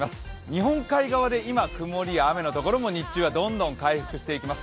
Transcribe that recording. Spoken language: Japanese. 日本海側で今曇りや雨のところもどんどん回復していきます。